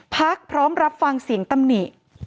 พร้อมรับฟังเสียงตำหนิ